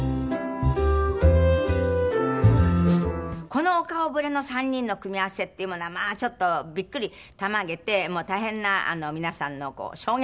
このお顔ぶれの３人の組み合わせっていうものはまあちょっとびっくりたまげて大変な皆さんの衝撃でございました。